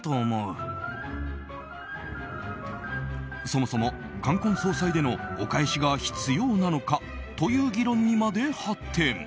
そもそも冠婚葬祭でのお返しが必要なのかという議論にまで発展。